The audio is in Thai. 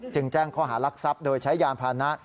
จึงแจ้งข้อหารักษัพโดยใช้ยานพาณะ